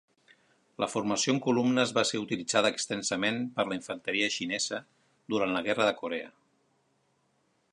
La formació en columnes va ser utilitzada extensament per la infanteria xinesa durant la Guerra de Corea.